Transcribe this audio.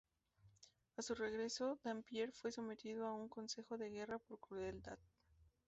A su regreso Dampier fue sometido a un consejo de guerra por crueldad.